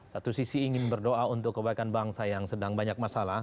satu sisi ingin berdoa untuk kebaikan bangsa yang sedang banyak masalah